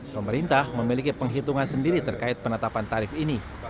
pemerintah memiliki penghitungan sendiri terkait penetapan tarif ini